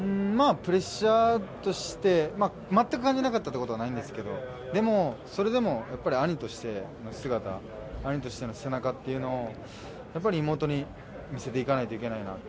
プレッシャーとして全く感じなかったことはなかったんですけどでも、それでも兄としての姿兄としての背中っていうのをやはり妹に見せていかないといけないと。